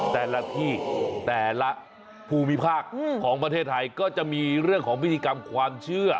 แต่ละที่แต่ละภูมิภาคของประเทศไทยก็จะมีเรื่องของพิธีกรรมความเชื่อ